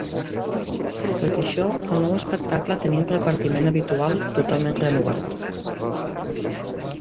Tot i això, el nou espectacle tenia un repartiment habitual totalment renovat.